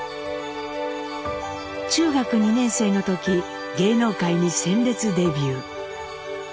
中学２年生の時芸能界に鮮烈デビュー。